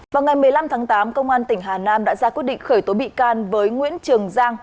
vào ngày một mươi năm tháng tám công an tỉnh hà nam đã ra quyết định khởi tố bị can với nguyễn trường giang